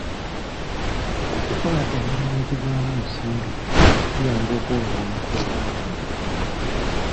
Okukola emirimu egivaamu ensimbi kiyamba okuvvuunuka obwavu mu kitundu.